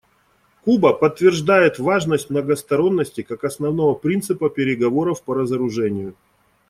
Куба подтверждает важность многосторонности как основного принципа переговоров по разоружению.